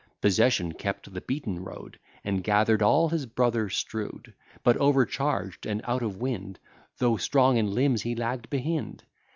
Possession kept the beaten road, And gather'd all his brother strew'd; But overcharged, and out of wind, Though strong in limbs, he lagg'd behind.